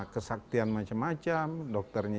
kesaktian macam macam dokternya